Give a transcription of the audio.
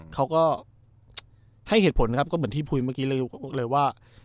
เขาก็ให้เหตุผลนะครับก็เหมือนที่คุยเมื่อกี้เลยว่า